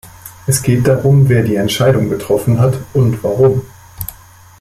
Es geht darum, wer die Entscheidung getroffen hat und warum.